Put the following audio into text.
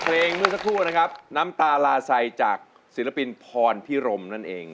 เมื่อสักครู่นะครับน้ำตาลาไซจากศิลปินพรพิรมนั่นเอง